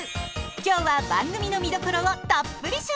今日は番組の見どころをたっぷり紹介します！